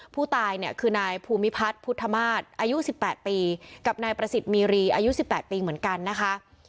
ผู้ตายเนี่ยคือนายภูมิพัฒน์พุทธมาศอายุ๑๘ปีกับนายประสิทธิ์มีรีอายุ๑๘ปีเหมือนกันนะคะ